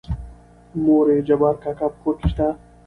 مورې جبار کاکا په کور کې شته؟